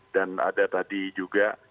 dan ada tadi juga